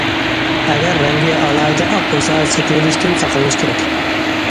ئەگەر رەڭگى ئالاھىدە ئاق بولسا سېتىۋېلىشتىن ساقلىنىش كېرەك.